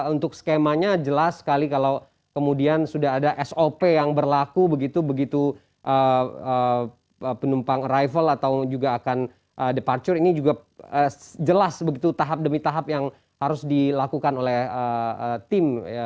untuk skemanya jelas sekali kalau kemudian sudah ada sop yang berlaku begitu begitu penumpang arrival atau juga akan departure ini juga jelas begitu tahap demi tahap yang harus dilakukan oleh tim